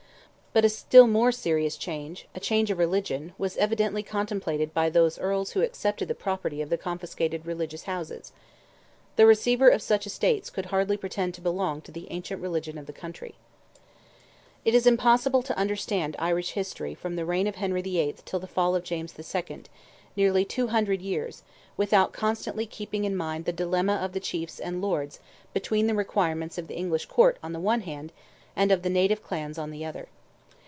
But a still more serious change—a change of religion—was evidently contemplated by those Earls who accepted the property of the confiscated religious houses. The receiver of such estates could hardly pretend to belong to the ancient religion of the country. It is impossible to understand Irish history from the reign of Henry VIII. till the fall of James II.—nearly two hundred years—without constantly keeping in mind the dilemma of the chiefs and lords between the requirements of the English Court on the one hand and of the native clans on the other.